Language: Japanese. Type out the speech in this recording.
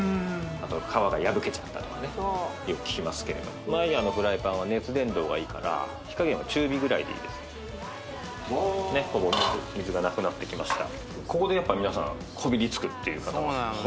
あと皮が破けちゃったとかねよく聞きますけれどＭＥＹＥＲのフライパンは熱伝導がいいから火加減は中火ぐらいでいいですねっほぼ水がなくなってきました